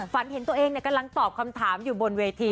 ฝันเห็นตัวเองกำลังตอบคำถามอยู่บนเวที